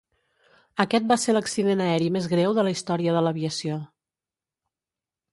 Aquest va ser l'accident aeri més greu de la història de l'aviació.